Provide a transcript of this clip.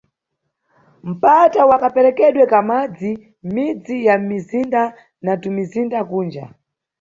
Mpata wa kaperekedwe ka madzi mʼmidzi ya mʼmizinda na tumizinda kunja.